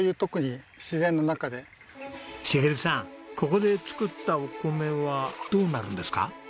ここで作ったお米はどうなるんですか？